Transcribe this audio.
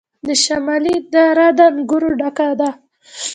د شمالی دره د انګورو ډکه ده.